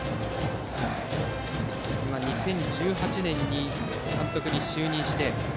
２０１８年、監督に就任して。